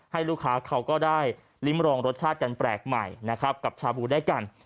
ให้ลูกค้าเขาก็ได้ลิ้มรองรสชาติกันแปลกใหม่นะครับกับชาบูได้กัน